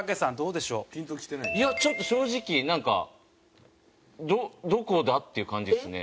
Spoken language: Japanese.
いやちょっと正直なんかどこだ？っていう感じですね。